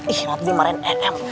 ih ngerti dimarahin nm